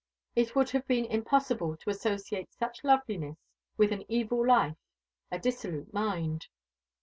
It would have been impossible to associate such loveliness with an evil life, a dissolute mind.